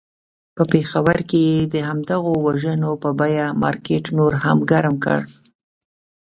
په پېښور کې یې د همدغو وژنو په بیه مارکېټ نور هم ګرم کړ.